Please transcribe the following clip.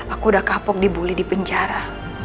aku udah kapok dibully di penjara